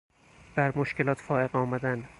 بر مشکلات فایق آمدن